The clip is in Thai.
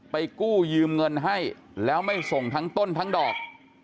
กู้ยืมเงินให้แล้วไม่ส่งทั้งต้นทั้งดอก